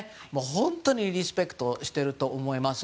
本当にリスペクトしていると思います。